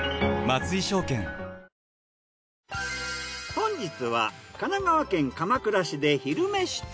本日は神奈川県鎌倉市で「昼めし旅」。